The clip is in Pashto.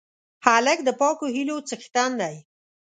هلک د پاکو هیلو څښتن دی.